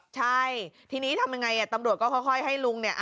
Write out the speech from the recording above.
ใช่ทีนี้ทำยังไงตำรวจก็ค่อยให้ลุงเนี่ย